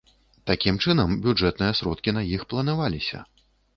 Такім чынам, бюджэтныя сродкі на іх планаваліся.